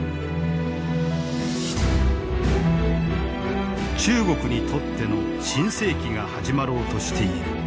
中国にとっての新世紀が始まろうとしている。